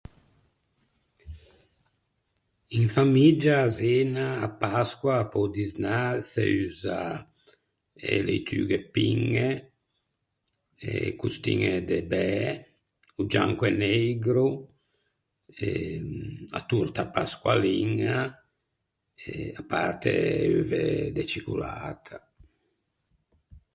In famiggia à Zena, à Pasqua pe-o disnâ se usa e leitughe piñe, e costiñe de bæ, o gianco e neigro e a torta pasqualiña e à parte e euve de cicolata.